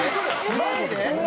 マジで？